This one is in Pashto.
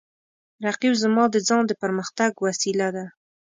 رقیب زما د ځان د پرمختګ وسیله ده